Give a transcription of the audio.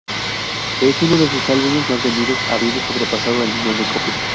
Es uno de sus álbumes más vendidos habiendo sobrepasado el millón de copias.